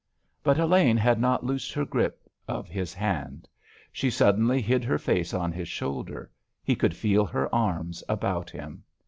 But Elaine had not loosed her grip of his hand. She suddenly hid her face on his shoulder; he could feel her arms about him.